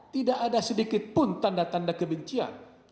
tidak ada sedikitpun tanda tanda kebencian